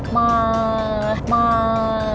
มาาาา